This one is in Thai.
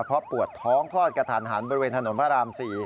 เพราะปวดท้องคลอดกระทันหันบริเวณถนนพระราม๔